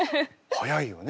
早いよね。